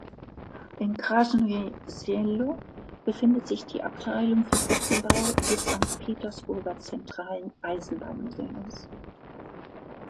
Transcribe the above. In Krasnoje Selo befindet sich die Abteilung für Brückenbau des Sankt Petersburger "Zentralen Eisenbahnmuseums".